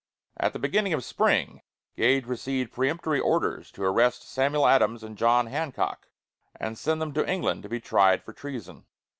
At the beginning of spring, Gage received peremptory orders to arrest Samuel Adams and John Hancock, and send them to England to be tried for treason.